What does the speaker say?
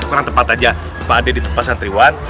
kurang tepat aja pak de di tempat santriwan